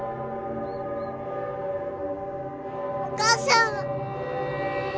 お母さんは。